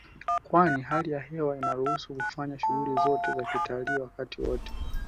Kwani hali ya hewa inaruhusu kufanyika shughuli zote za kitalii wakati wote